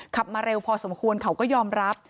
มาเร็วพอสมควรเขาก็ยอมรับ